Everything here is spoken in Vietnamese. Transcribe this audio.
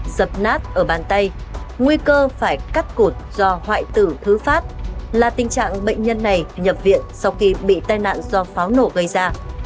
dập nát ở bàn tay nguy cơ phải cắt cụt do hoại tử thứ phát là tình trạng bệnh nhân này nhập viện sau khi bị tai nạn do pháo nổ gây ra